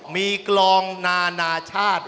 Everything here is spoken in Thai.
มีกลองนานาชาติ